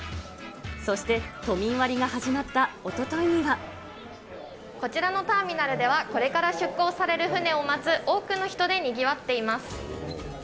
そして、都民割が始まったおこちらのターミナルでは、これから出港される船を待つ多くの人でにぎわっています。